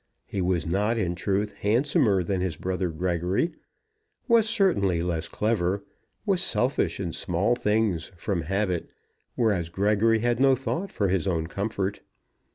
He was not, in truth, handsomer than his brother Gregory, was certainly less clever, was selfish in small things from habit, whereas Gregory had no thought for his own comfort.